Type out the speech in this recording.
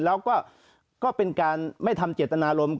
แล้วก็เป็นการไม่ทำเจตนารมณ์